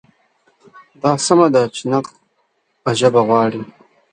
دا سمه ده چې نقد به ژبه غواړي.